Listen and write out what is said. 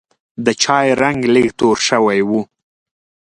د چای رنګ لږ توره شوی و.